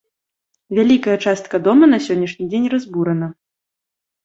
Вялікая частка дому на сённяшні дзень разбурана.